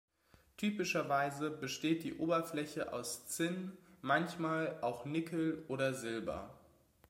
Typischerweise besteht die Oberfläche aus Zinn, manchmal auch Nickel oder Silber.